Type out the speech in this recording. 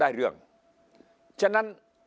ฝ่ายชั้น